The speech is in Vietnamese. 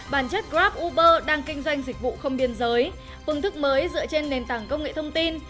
bản chất grab uber đang kinh doanh dịch vụ không biên giới phương thức mới dựa trên nền tảng công nghệ thông tin